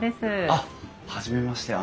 あっ初めまして。